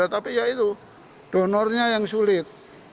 tapi ya itu donornya yang sulit